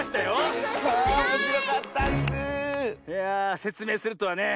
いやあせつめいするとはね。